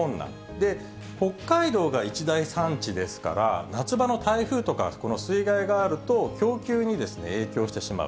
で、北海道が一大産地ですから、夏場の台風とかこの水害があると、供給に影響してしまう。